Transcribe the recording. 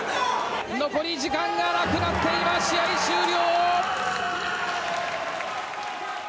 残り時間がなくなって、今、試合終了。